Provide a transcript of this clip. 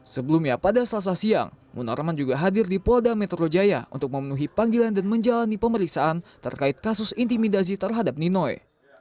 sebelumnya pada selasa siang munarman juga hadir di polda metro jaya untuk memenuhi panggilan dan menjalani pemeriksaan terkait kasus intimidasi terhadap ninoy